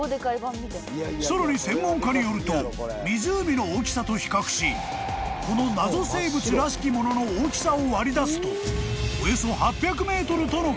［さらに専門家によると湖の大きさと比較しこの謎生物らしきものの大きさを割り出すとおよそ８００ｍとのこと］